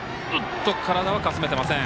体はかすめてません。